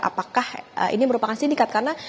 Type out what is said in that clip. apakah ini merupakan sindikat karena